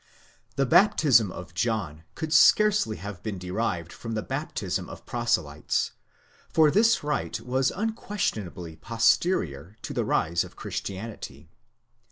The baptism of John could scarcely have been derived from the baptism of proselytes,' for this rite was unquestionably posterior to the rise of Christianity.